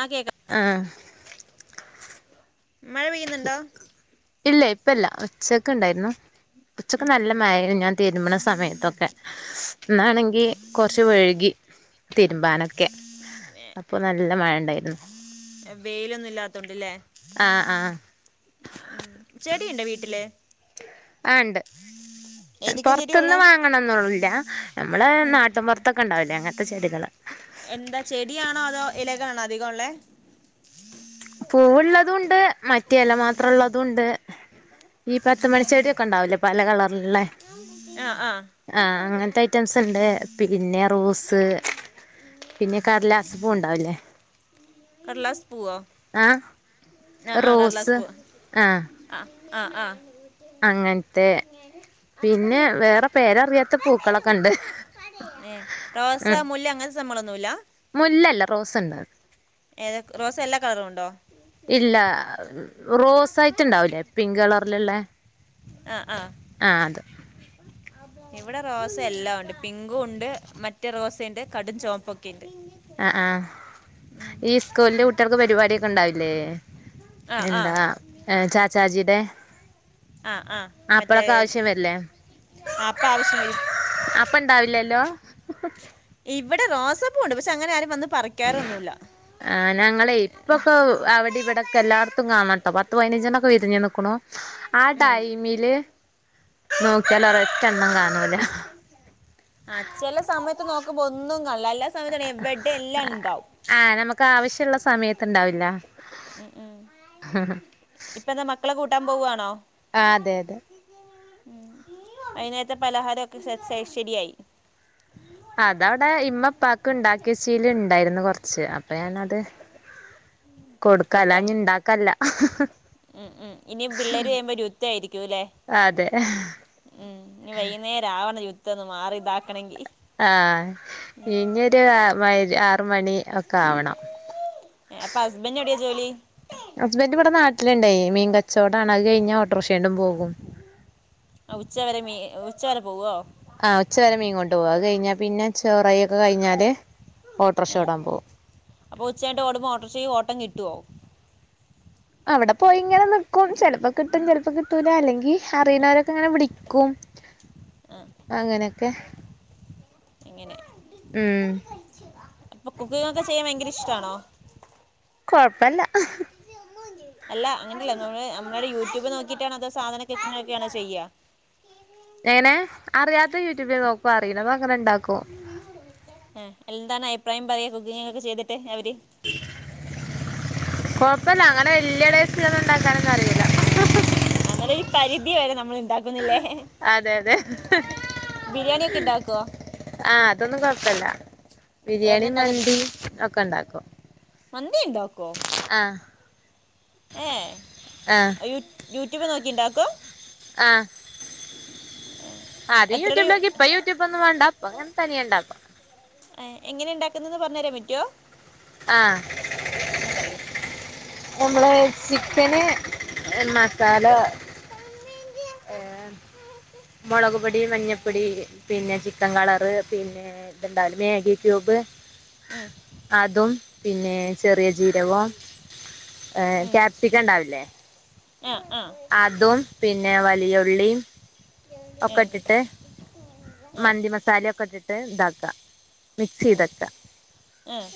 ആഹ് കേൾക്കാം ആഹ് മഴ പെയ്യുന്നുണ്ടോ? ഇല്ലേ ഇപ്പല്ല ഉച്ചക്ക് ഉണ്ടായിരുന്നു ഉച്ചക്ക് ഉം നല്ല ഉം മഴയായിരുന്നു ഞാൻ തിരുമ്പ്ണ സമയത്തൊക്കെ ഇന്നാണെങ്കി കൊ റച്ച് വൈകി ഏ, തിരുമ്പാനൊക്കെ അപ്പൊ നല്ല മഴ ഉണ്ടായിരുന്നു വെയിലൊന്നും ഇല്ലാത്തോണ്ട്ലെ ആഹ് ആഹ് ഉം ചെടിയുണ്ടോ വീട്ടില് ആഹ് ഇണ്ട് ഏതൊക്കെ ചെടിയാ പൊറത്ത്ന്ന് ഉള്ളേ വാങ്ങണോന്നില്ല നമ്മളെ ഉം നാട്ടും പുറത്ത് ത്തൊക്കെ ഉണ്ടാവില്ലേ അങ്ങനത്തെ ചെടികള് എന്താ ചെടിയാണോ അതോ ഇലകളാണോ അധികം ഉള്ളേ പൂവുള്ളതും ഉണ്ട് മറ്റ് ഇല മാത്രം ഉള്ളതുണ്ട് ഈ പത്ത് മണിചെടിയൊക്കെ ഉണ്ടാവില്ലേ പല കളറിലുള്ളെ ആഹ് ആഹ് ആഹ് അങ്ങനത്തെ ഐറ്റംസ് ഉണ്ട് പിന്നെ റോസ് പിന്നെ കടലാസപ്പൂ ഉണ്ടാവില്ലേ കടലാസ് പൂവോ ആഹ് ആഹ് ആഹ് കടലാസ് റോസ് പൂവ് ആഹ് ആഹ് ആഹ് ആഹ് അങ്ങനത്തെ പിന്നെ വേറെ പേരറിയാത്ത പൂക്കളൊക്കെ ഉണ്ട് ഏഹ് റോസാ ഉം മുല്ല അങ്ങനത്തെ സംഭവങ്ങളൊന്നുല്ല മുല്ലല്ല റോസ് ഉണ്ട് ഏതാ റോസ് എല്ലാ കളറും ഉണ്ടോ? ഇല്ലാ റോസ് ആയിട്ട്ണ്ടാവില്ലേ പിങ്ക് കളറിലുള്ളെ ആഹ് ആഹ് ഇവിടെ റോസ് എല്ലാം ഉണ്ട് പിങ്കും ഉണ്ട് മറ്റ് റോസെന്റെ കടും ചോപ്പൊക്കെ ഉണ്ട് ആഹ് ആഹ് ഉം. ഈ സ്കൂളില് കുട്ടികൾക്ക് പരിപാടിയൊക്കെ ഉണ്ടാവില്ലേ ആ ആ എന്താ ചാച്ചാജിയുടെ ആ ആ മറ്റേ അപ്പളൊക്കെ ഇത്. ആവശ്യം വരില്ലേ ആ അപ്പം ആവശ്യം വരും അപ്പണ്ടാവില്ലല്ലോ ഇവിടെ റോസപ്പൂവുണ്ട് പക്ഷെ അങ്ങനെ ആരും വന്ന് പറിക്കാറൊന്നുല്ല ആഹ് ഞങ്ങളെയ് ഇപ്പൊക്കെ അവിടിവിടൊക്കെ എല്ലാടത്തും കാണട്ടോ പത്ത് പതിനഞ്ചെണ്ണൊക്കെ വിരിഞ്ഞ് നിൽക്കണു ആ ഉം. ടൈമില് നോക്കിയാല് ഒരെറ്റണ്ണം കാണൂല ആഹ് ചില സമയത്ത് നോക്കുമ്പോ ഒന്നും കാണില്ല എല്ലാ സമയത്ത എവിടെയും എല്ലാം ഇണ്ടാവും ആഹ് നമുക്ക് ആവശ്യള്ള സമയത്ത് ഇണ്ടാവില്ല ഉം ഉം ഇപ്പ എന്താ മക്കളെ കൂട്ടാൻ പോവാണോ ആ അതെ അതെ വൈകുന്നേരത്തെ പലഹാരൊക്കെ സെറ്റ് ശെരിയായി അതവടെ ഇമ്മപ്പാക്ക് ണ്ടാക്കെച്ചീല് ണ്ടായിര്ന്നു കൊർച്ച് അപ്പൊ ഞാനത് കൊടുക്ക അല്ല ഞ്ഞി ഇണ്ടാക്ക ല്ല ഉം ഉം ഇനീം പിള്ളേര് വെരുമ്പോ രുദ്ധായിരിക്കൂലേ അതെ ഉം ഞ്ഞി വൈകുന്നേരാവണം യുട്ദ്ധോന്ന് മാറി ഇതാക്കണെങ്കി ആഹ് ഇഞ്ഞൊരു മൈ ആറ് മണി ഒക്കെ ആവണം ഏ അപ്പം ഹസ്ബന്റെവടെ ജോലി ഹസ്ബന്റ് ഇവിടെ നാട്ടില്ണ്ടേ മീൻ കച്ചോടാണ് അത് കയ്ഞ്ഞാ ഓട്ടോർഷോണ്ടും പോകും അ ഉച്ചവെരെ മീ [unintelligible] ഉച്ചവെരെ പോവോ ആ ഉച്ചവെരെ മീൻ കൊണ്ടോകും അത് കയ്ഞ്ഞാ പിന്നെ ചോറയ്യൊക്കെ കയ്ഞ്ഞാല് ആ ഓട്ടർഷോടാൻ പോം അപ്പൊ ഉച്ചയ്ഞ്ഞിട്ടോടുമ്പൊ ഓട്ടർഷക്ക് ഓട്ടം കിട്ടോ അവടെ പോയി ഇങ്ങനെ നിക്കും ചെൽപ്പ കിട്ടും ചെൽപ്പ കിട്ടൂല അല്ലെങ്കി അറിണോലൊക്കെ ഇങ്ങനെ വിളിക്കും ആ അങ്ങനെയൊക്കെ എങ്ങനെ ഉം അപ്പൊ കുക്കിങൊക്കെ ചെയ്യാൻ ഭയങ്കര ഇഷ്ടാണോ കൊഴപ്പല്ല അല്ല അങ്ങനെയല്ല നമ്മ നമ്മള് യൂട്യൂബ് നോക്കിട്ടാണ് അതോ സാധനൊക്കെ ക്കങ്ങനെ ചെയ്യാ എങ്ങനെ അറിയാത്തത് യൂട്യൂബില് നോക്കും അറിയണതങ്ങനെ ഇണ്ടാക്കും ആ എന്താണ് അഭിപ്രായം പറയാ കുക്കിങൊക്കെ ചെയ്തിട്ട് അവര് കൊഴപ്പല്ല അങ്ങനെ വെല്യ ടെസ്റ്റിലൊന്നും ണ്ടാക്കാനൊന്നറിയൂ അന്നാലും ഈ പരിധി വരെ നമ്മള് ഇണ്ടാ അതെ അതെ ബിരിയാണി ഒക്കെ ഉണ്ടാക്കുവോ ആഹ് അതൊന്നും കൊഴപ്പല്ല ബിരിയാണിം എന്തുണ്ടാക്ക മന്തീം ഒക്കെ ണ്ടാക്കും മന്തിണ്ടാക്കോ ആഹ് ഏയ് ആഹ് യു യൂട്യൂബ് നോക്കി ണ്ടാക്കോ ആഹ് ആദ്യം എത്ര രൂ യൂട്യൂബിലോക്കി ഇപ്പ യൂട്യൂബൊന്നും വാണ്ട പ്പങ്ങനെ തനിയെ ണ്ടാക്കും എ എങ്ങനെണ്ടാക്കുന്നത് പർഞ്ഞെരാൻ പറ്റോ ആഹ് ന്നാ പറയൂ നമ്മള് ചിക്കന് മസാല ഏഹ് മൊളക്പൊടി, മഞ്ഞപ്പൊടി പിന്നെ ചിക്കൻ കളറ് പിന്നെ എ ഇത്ണ്ടാവൂലെ മാഗി ക്യൂബ് ഉം അതും പിന്നെ ചെറിയ ജീരകും എ ക്യാപ്സിക്കണ്ടാവില്ലേ ആഹ് ആഹ് അതും പിന്നെ വലിയുള്ളീം ഉം, ഒക്കെട്ട്ട്ട് ഉം, മന്തി മസാലൊക്കെ ഇട്ട്ട്ട് ഇതാക്കാ മിക്സെയ്തെക്ക ആഹ്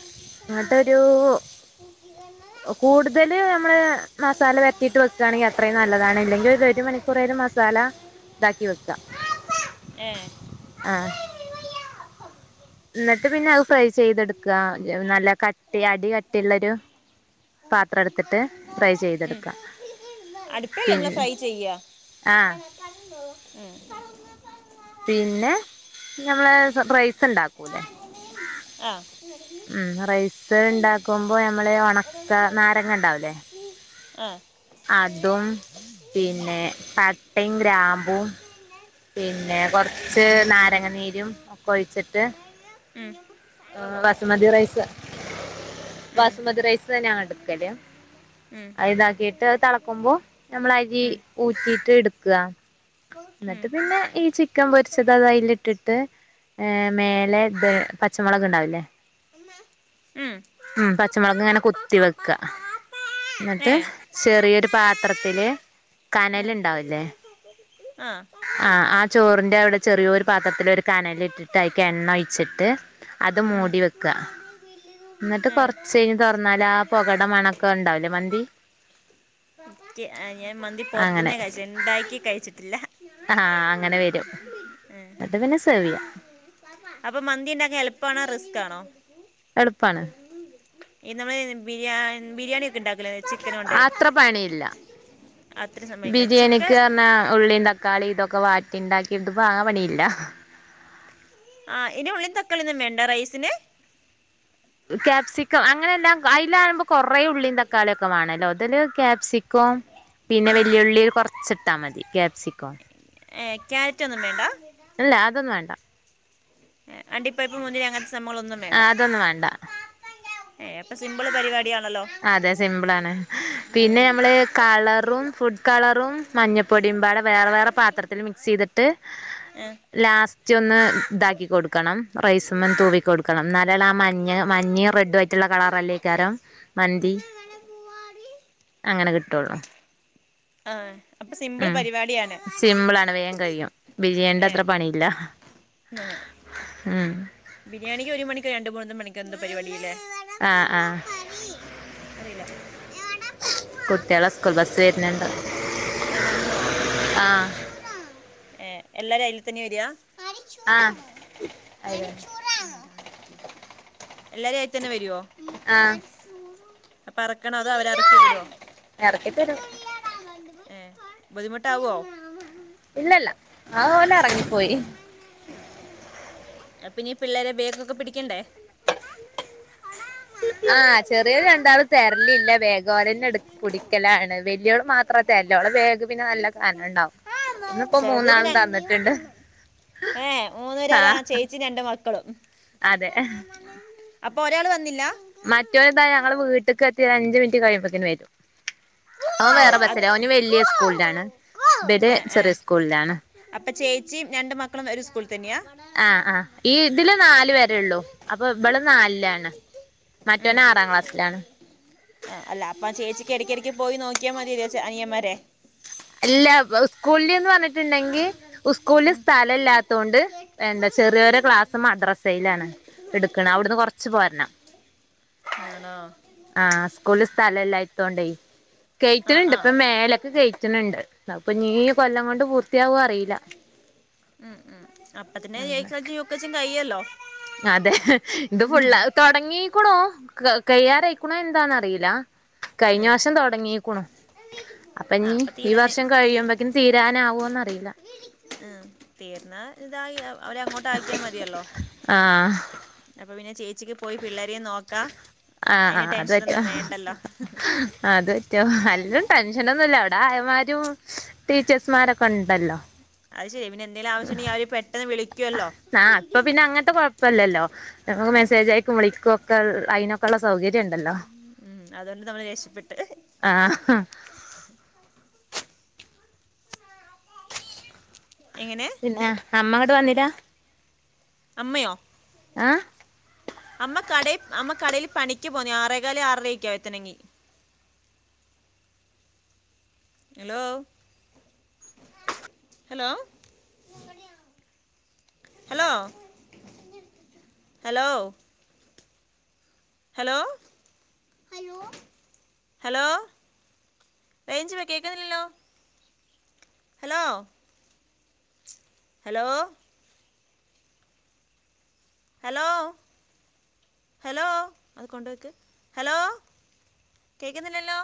എന്ന കൂടുതല് നമ്മള് മസാല പെരട്ടീട്ട് വെക്ക്‌ ആണെങ്കി അത്രയും നല്ലതാണ്. ഇല്ലെങ്കി ഒര് ഒരു മണി ക്കുറേലും മസാല ഇതാക്കി വെക്കാ. ആ എന്നിട്ട് പിന്നെ അത് ഫ്രൈ ചെയ്തെടുക്ക നല്ല കട്ടി അടി കട്ടിയുള്ളരു. പാത്രം എടുത്തിട്ട് ഫ്രൈ ചെയ്തെടുക്ക. അടുപ്പെല്ലേ നമ്മള് ഫ്രൈ ചെയ്യ. ആഹ് ഉം പിന്നെ ഞമ്മള് പ്രൈസ് ഉണ്ടാക്കൂല്ലേ. ആഹ് ഉം റൈസ് ഇണ്ടാക്കുമ്പോ ഞമ്മള് ഒണക്ക നാരങ്ങഇണ്ടാവുലേ. ആഹ്. അതും പിന്നെ പട്ടയും, ഗ്രാമ്പും. പിന്നെ കുറച്ച് നാരങ്ങനീരും ഒക്കെ ഒഴിച്ചിട്ട്. ഉം വസുമതി റൈസ്. ഉം. ബസ്മതി റൈസ് തന്നെ ആണോ എടുക്കല് ഉം. അ ഇതാക്കിട്ട് തെളക്കുമ്പോ. ഞമ്മള് അരി ഉം, ഊറ്റിട്ട് എടുക്ക. ഉം, എന്നിട്ട് പിന്നെ ഈ ചിക്കൻ പൊരിച്ചത് അത അയില് ഇട്ടിട്ട്. ഏ മേലെ പച്ചമുളക് ഉണ്ടാവില്ലേ. ഉം. ഉം പച്ചമുളക് ഇങ്ങനെ കുത്തി വെക്ക എന്നിട്ട്. ചെറിയൊരു പാത്രത്തില്. കനല് ഇണ്ടാവുല്ലെ ആ ആ, ആ ചോറിന്റെ അവിടെ ചെറിയൊരു പാത്രത്തില് ഒരു. കനലിട്ടിട്ട് അയ്ക്ക്‌ എണ്ണ ഒഴിച്ചിട്ട് അത് മൂടി വെക്ക. എന്നിട്ട് കൊറച്ച് കയ്ഞ്ഞ് തുറന്നാല് ആ പൊകടെ മണക്കണ്ടാവില്ലെ മന്തി. ഞാൻ മന്തി അങ്ങനെ പുറത്തുന്നേ കഴിച്ച ഇണ്ടാക്കി കഴിച്ചിട്ടില്ല. ആഹ് അങ്ങനെ വരും. എന്നിട്ട് പിന്നെ സെർവെയ്യാം. അപ്പൊ മന്തി ഉണ്ടാക്കാൻ എള്പ്പാണോ? റിസ്ക് ആണോ? എളുപ്പാണ്. ഈ നമ്മള് ബിരിയാ ബിരിയാണി ഒക്കെ ണ്ടാക്കലേ. അത്ര പണിയില്ല. അത്ര സമയമില്ല ചിക്കൻ ബിരിയാണിക്ക് പറഞ്ഞാ ഉള്ളീം ത ക്കാളി ഇതൊക്കെ വാറ്റി ണ്ടാക്കി ത്പ്പോ ആ പണിയില്ലാ. ആഹ് ഇന് ഉള്ളീം തക്കാളിന്നും വേണ്ട റൈസിന്? കാപ്സിക്കം അങ്ങനയല്ലാ അയ്ലാകുമ്പോ കൊറെ ഉള്ളീ തക്കാളിയൊക്കെ വേണല്ലോ ഇതില് കാപ്സി കോം പിന്നെ ഉം. വല്ല്യള്ളീം കുറച് ഇട്ടാ മതി. ക്യാപ്സിക്കോം. ഏ ക്യാരറ്റ് ഒന്നും വേണ്ട? ഇല്ല അതൊന്നും വേണ്ട. അണ്ടിപ്പരിപ്പ് മുന്തിരി അങ്ങനത്തെ സംഭവങളൊന്നും. ആ അതൊന്നും വേണ്ട. ഏ അപ്പൊ സിംമ്പിള് പരിപാടിയാണല്ലോ. അതെ സിമ്പിൾ ആണ്. ഏ, പിന്നെ നമ്മള് കളറും ഫുഡ് കളറും മഞ്ഞപ്പൊടിയുംമ്പാടെ വേറെ, വേറെ. പാത്രത്തിൽ മിക്സ് ചെയ്തിട്ട്. എഹ് ലാസ്റ്റ് ഒന്ന് ഇതാക്കി കൊടുക്കണം. റൈസുമ്മെ തൂവി കൊടുക്കണം. എന്നാലേളു ആ മഞ്ഞ മഞ്ഞെമ് റെഡും ആ മറ്റുള്ള കളർല്ലേക്കാരം മന്തി അങ്ങനെ കിട്ടുള്ളു. ആഹ് അപ്പ സിമ്പിൾ പരിപാടിയ. സിംമ്പിൾ ആണ് വേകം കഴിയും. ബിരിയാണിന്റെ ഏ അത്ര പണിയില്ല. ആ, ഉം ബിരിയാണിക്ക് ഒരു മണിക്കോ രണ്ട് മൂന്ന് മണിക്കൂർ എന്തോ പരിപാടില്ലേ? ആഹ് ആഹ് അറിയില്ല കുട്ടികളെ സ്കൂൾ ബസ്സ് വര്ന്ണ്ട്. ഏഹ് വന്നോ? ഏഹ് എല്ലാരും അയ്ല് തന്നെ വര്യാ.? ആഹ് കറിച്ചൂറാണോ? കണിച്ചൂറാണോ? മിണ്ടാണ്ടിരിക്ക്‌. എല്ലാരും ആയി തന്നെ വരുവോ? ആഹ് അപ്പ എറക്കാണോ അതോ അവര് എറക്കി തരോ എറക്കി തരും ഏഹ് ബുദ്ധിമുട്ടാവോ? ഇല്ലല്ല ആ ഓലെറങ്ങിപ്പോയി. ഉം അപ്പിന്നീ പിള്ളേരെ ബാഗൊക്കെ പിടിക്കണ്ടേ? ആ ചെറിയത് രണ്ടാളും തെരലില്ല ബെഗോലന്നെ എടു പിടിക്കലാണ് വല്ല്യോളു മാത്രത്തെലുള്ളു ഓളെ ബാഗ് പിന്നെ നല്ല കനണ്ടാവും ഇന്നിപ്പോ മൂന്നാളും തന്നിട്ടുണ്ട് ഏഹ് മൂന്നുപെരാരാ ആഹ് ചേച്ചി രണ്ട് മക്കളും അതെ ഉം അപ്പോ ഒരാള് വന്നില്ല? മറ്റോര്താ ഞങ്ങള് വീട്ടക്ക്എത്തി അഞ്ച് മിനിറ്റ് കയ്യുമ്പോത്തെന് വരും ഓൻ ഏ, വേറെ അത് ബസ്സില ഓന് വലിയ സ്കൂളിലാണ് ഇവര് ഏ ഏ ചെറിയ സ്കൂളിലാണ്. അപ്പൊ ചേച്ചിയും രണ്ട് മക്കളും ഒരു സ്കൂള് തന്നെയാ? ആഹ് ആഹ് ഈ ഇതില് നാല് വരെ ഉള്ളൂ അപ്പൊ ഇബള് നാൽലാണ്. മറ്റോന് അറാംക്ലാസിലാണ്. ആഹ് അല്ല അപ്പാ ചേച്ചിക്ക് എടക്കെടക്ക് പോയി നോക്കിയാ മതിലൊ ച്ചെ അനിയമ്മാരെ. ഇല്ല സ്കൂളില്ന്ന് പറഞ്ഞ്ട്ട്ണ്ടെങ്കി ഉസ്കൂളില് ഉം സ്ഥലം ഇല്ലാത്തോണ്ട് എന്താച്ച ചെറ്യോരെ ക്ലാസ്സ് മദ്രസേലാണ് ഇടക്ക്ണഹ് അവടന്ന് കൊറച്ച് പോരണം. ആണോ? ആഹ് ഈ സ്കൂള്ല് സ്ഥലം ഇല്ലാത്തോണ്ടേ. ആ കെയ്റ്റ്ണ് ഇണ്ട് ആ ഇപ്പ മേലക്ക് കെയ്റ്റ്ണ് ഇണ്ട് അപ്പനി കൊല്ലം കൊണ്ട് പൂർത്യാവോന് അറീല. [inaudible] ഉം ഉം അപ്പ തന്നെ ഏയ്ക്കെജി, യുകേജി, കയ്യല്ലോ അതെ ഇത് ഫുള്ളാ അത് തൊടങ്ങീക്കുണൂ ക കയ്യാനയിക്ക്ണോ എന്താന്നറിയില. ആ കഴിഞ്ഞാസം തൊടങ്ങീക്കുണു. അപ്പൊ ആ ഇനി ഈ തീരനെ വർഷം തീ കഴിയുമ്പക്ക്ന് തീരാനാവോന്നറിയില്ല. ഉം തീർന്ന ഇതായി അവരെ അങ്ങോട്ട് ആക്കിയാമതിയല്ലോ. ആഹ് അപ്പൊ പിന്നെ ചേച്ചിക്ക് പോയി പിള്ളേരേം നോക്കാം ആഹ് അയിന്റെ ആഹ് അത് ടെൻഷനൊന്നും പറ്റും വേണ്ടല്ലോ. അത് പറ്റോ അല്ലാം ടെൻഷനൊന്നുംഇല്ല അവടെ ആയമാരും ടീച്ചേഴ്സ്മാരൊക്കെണ്ടല്ലോ. അത് ശരിയാ പിന്നെ എന്തേലും ആവശ്യുണ്ടങ്കി അവര് പെട്ടെന്ന് വിളിക്കോല്ലോ. ആഹ് അപ്പ പിന്നെ അങ്ങനത്തെ കൊഴപ്പല്ലല്ലോ. നമ്മക്ക് മെസ്സേജ് അയക്കും വിളിക്കൊക്കെ അയിനൊക്കെള്ളെ സൗകര്യംണ്ടല്ലോ. ഉം അതൊണ്ട് നമ്മള് രക്ഷപ്പെട്ട്. ആഹ്. [inaudible] എങ്ങനെ? പിന്നെ അമ്മ അങ്ങട്ട് വന്നിലാ അമ്മയോ ആഹ് അമ്മ കടേ അമ്മ കടയ്ല് പണിക്ക് പോവുന്നെയാ ആറേകാല് ആറരെക്കാ എത്തണങ്ങി hello hello hello hello hello hello range ല്ല കേൾക്കുന്നില്ലല്ലോ ഹലോ ഹലോ ഹലോ ഹലോ അത് കൊണ്ട് വയ്ക്ക് ഹലോ കേക്കുന്നില്ലല്ലോ